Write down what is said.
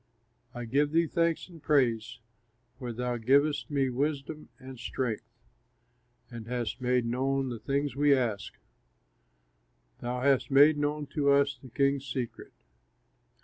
I give thee thanks and praise, For thou givest me wisdom and strength, And hast made known the things we asked; Thou hast made known to us the king's secret!"